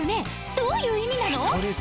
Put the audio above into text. どういう意味なの？